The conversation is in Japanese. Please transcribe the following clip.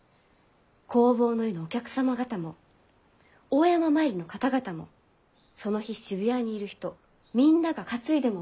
弘法湯のお客様方も大山参りの方々もその日渋谷にいる人みんなが担いでもいい。